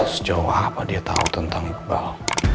sejauh apa dia tahu tentang iqbal